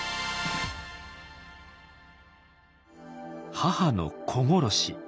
母の子殺し。